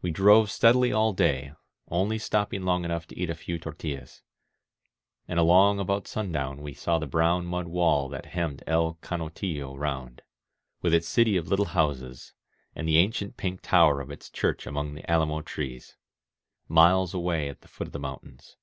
We drove steadily all day, only stopping long enough to eat a few tortUlaa. And along about sundown we saw the brown mud wall that henmied El Canotillo round, with its city of little houses, and the ancient pink tower of its church among the alamo trees, — miles away at the foot of the mountains.